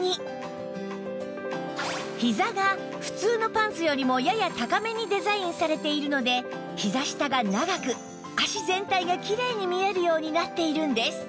ひざが普通のパンツよりもやや高めにデザインされているのでひざ下が長く脚全体がキレイに見えるようになっているんです